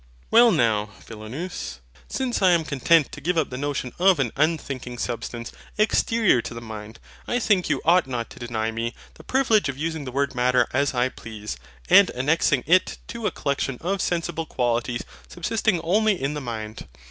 Well but, Philonous, since I am content to give up the notion of an unthinking substance exterior to the mind, I think you ought not to deny me the privilege of using the word MATTER as I please, and annexing it to a collection of sensible qualities subsisting only in the mind.